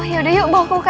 yuk yuk yuk